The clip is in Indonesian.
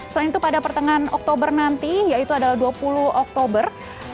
selain itu pada pertengahan oktober nanti yaitu adalah dua puluh oktober